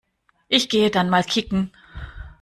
Ich gehe dann mal kicken.